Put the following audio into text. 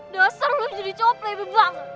dasar lo jadi coplay bebang